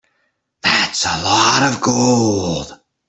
That's a lot of gold.